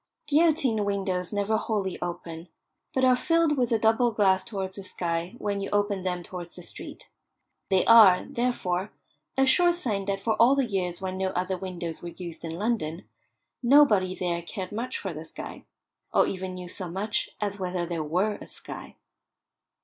Guillotine windows never wholly open, but are filled with a doubled glass towards the sky when you open them towards the street. They are, therefore, a sure sign that for all the years when no other windows were used in London, nobody there cared much for the sky, or even knew so much as whether there were a sky.